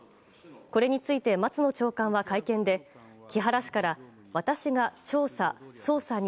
これについて松野長官は会見で、木原氏から私が調査・捜査に